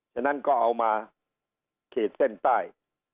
ฉะนั้นก็เอามาขีดเส้นใต้